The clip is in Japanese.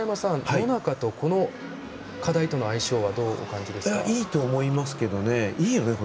野中と、この課題との相性はいいと思いますけどね。